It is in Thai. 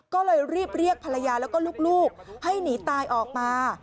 ก็เลยรีบเรียกภรรยาแล้วก็ลูกให้หนีตายออกมา